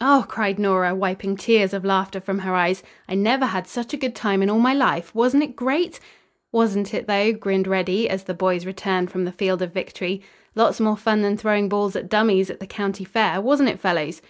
"Oh," cried Nora, wiping tears of laughter from her eyes, "I never had such a good time in all my life! Wasn't it great?" "Wasn't it though?" grinned Reddy, as the boys returned from the field of victory. "Lots more fun than throwing balls at dummies at the county fair, wasn't it, fellows?"